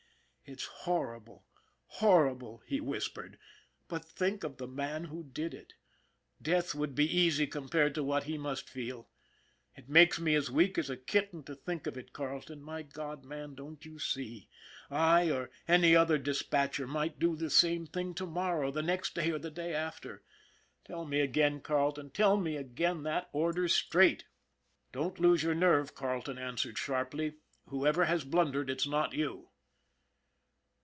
" It's horrible, horrible," he whispered ;" but think of the man who did it. Death would be easy compared to what he must feel. It makes me as weak as a kitten to think of it, Carleton. My God, man, don't you see ! I, or any other dispatcher, might do this same thing to morrow, the next day, or the day after. Tell me again, Carleton, tell me again, that order's straight." " Don't lose your nerve/' Carleton answered sharply. " Whoever has blundered, it's not you."